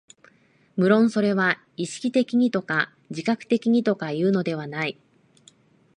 無論それは意識的にとか自覚的にとかいうのではない。